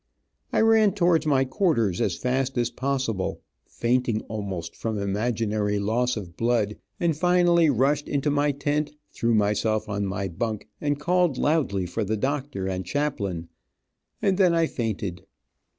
I ran towards my quarters as fast as possible, fainting almost, from imaginary loss of blood, and finally rushed into my tent, threw myself on my bunk and called loudly for the doctor and chaplain, and then I fainted.